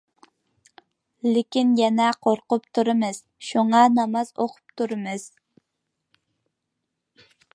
لېكىن يەنە قورقۇپ تۇرىمىز، شۇڭا ناماز ئوقۇپ تۇرىمىز.